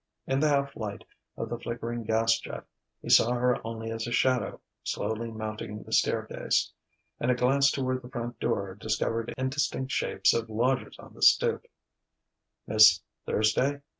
In the half light of the flickering gas jet, he saw her only as a shadow slowly mounting the staircase. And a glance toward the front door discovered indistinct shapes of lodgers on the stoop. "Miss Thursday!"